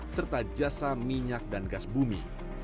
serta jasa minyak dan gas bumi